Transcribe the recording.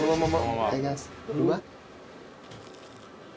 いただきます。